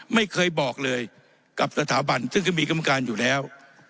ไม่เคยบอกเลยกับสถาบันซึ่งก็มีกรรมการอยู่แล้ว